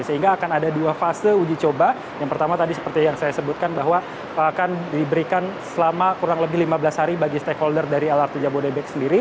sehingga akan ada dua fase uji coba yang pertama tadi seperti yang saya sebutkan bahwa akan diberikan selama kurang lebih lima belas hari bagi stakeholder dari lrt jabodebek sendiri